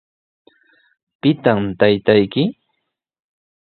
¿Pitaq taytayki?